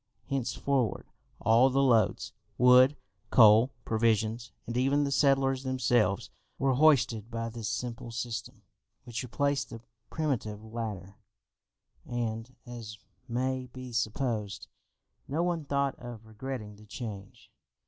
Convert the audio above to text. Henceforward all the loads, wood, coal, provisions, and even the settlers themselves, were hoisted by this simple system, which replaced the primitive ladder, and, as may be supposed, no one thought of regretting the change.